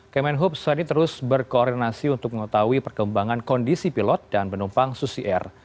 kemenhub saat ini terus berkoordinasi untuk mengetahui perkembangan kondisi pilot dan penumpang susi air